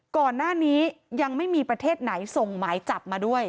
ก่อนหน้านี้ยังไม่มีประเทศไหนส่งหมายจับมาด้วย